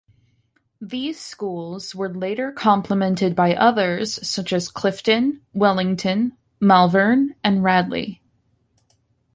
These schools were later complemented by others such as Clifton, Wellington, Malvern and Radley.